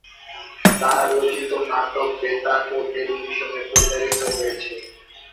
তার রচিত নাটক বেতার ও টেলিভিশনে প্রচারিত হয়েছে।